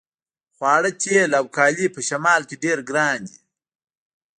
خواړه تیل او کالي په شمال کې ډیر ګران دي